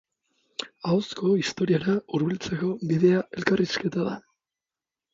Ahozko Historiara hurbiltzeko bidea elkarrizketa da.